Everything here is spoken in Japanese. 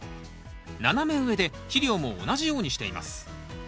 斜め植えで肥料も同じようにしています。